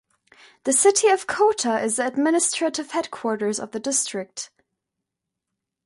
The city of Kota is the administrative headquarters of the district.